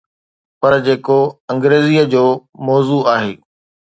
پر جيڪو انگريزيءَ جو موضوع آهي.